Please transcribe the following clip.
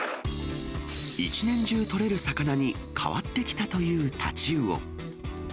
一年中取れる魚に変わってきたというタチウオ。